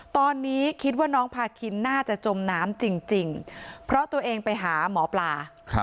ตอนนี้คิดว่าน้องพาคินน่าจะจมน้ำจริงเพราะตัวเองไปหาหมอปลา